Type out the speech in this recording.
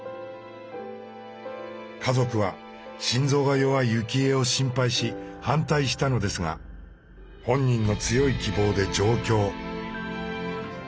家族は心臓が弱い幸恵を心配し反対したのですが本人の強い希望で上京。